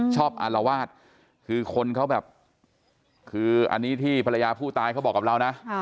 อารวาสคือคนเขาแบบคืออันนี้ที่ภรรยาผู้ตายเขาบอกกับเรานะ